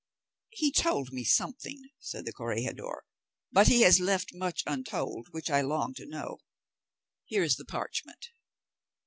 "He told me something," said the corregidor, "but he has left much untold which I long to know. Here is the parchment."